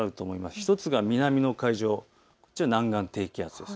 １つが南の海上、南岸低気圧です。